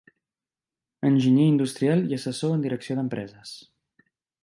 Enginyer industrial i assessor en direcció d'empreses.